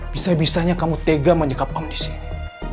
bisa bisanya kamu tega menjengkelamu disini